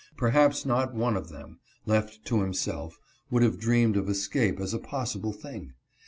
Perhaps not one of them, left to himself, would have dreamed of escape as a possible thing.